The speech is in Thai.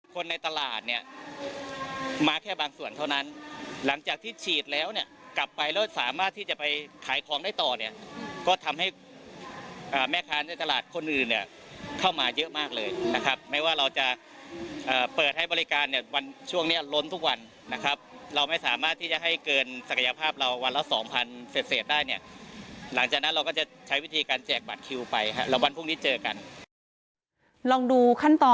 คนในตลาดเนี่ยมาแค่บางส่วนเท่านั้นหลังจากที่ฉีดแล้วเนี่ยกลับไปแล้วสามารถที่จะไปขายของได้ต่อเนี่ยก็ทำให้แม่ค้าในตลาดคนอื่นเนี่ยเข้ามาเยอะมากเลยนะครับไม่ว่าเราจะเปิดให้บริการเนี่ยวันช่วงเนี้ยล้นทุกวันนะครับเราไม่สามารถที่จะให้เกินศักยภาพเราวันละสองพันเศษได้เนี่ยหลังจากนั้นเราก็จะใช้วิธีการแจกบัตรคิวไปครับแล้ววันพรุ่งนี้เจอกันลองดูขั้นตอน